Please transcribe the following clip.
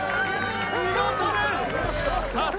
見事です！